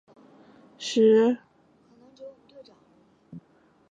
还有两个小时